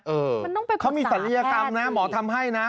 เขามีศัลยกรรมนะหมอทำให้นะ